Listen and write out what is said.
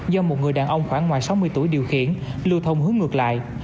do một người đàn ông khoảng ngoài sáu mươi tuổi điều khiển lưu thông hướng ngược lại